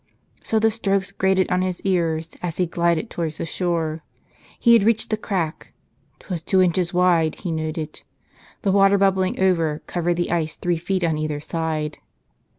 So the strokes grated on his ears as he glided towards the shore. He had reached the crack. 'Twas two inches wide, he noted. The water bubbling over, covered the ice three feet on either side.